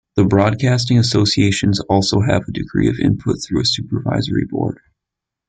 The broadcasting associations also have a degree of input through a Supervisory Board.